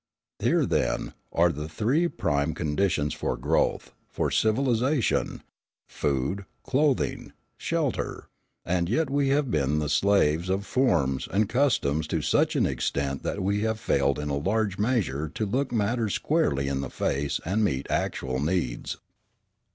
Here, then, are the three prime conditions for growth, for civilisation, food, clothing, shelter; and yet we have been the slaves of forms and customs to such an extent that we have failed in a large measure to look matters squarely in the face and meet actual needs.